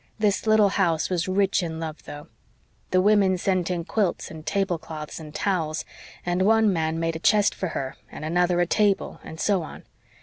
This little house was rich in love, though. The women sent in quilts and tablecloths and towels, and one man made a chest for her, and another a table and so on.